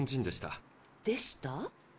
「でした」？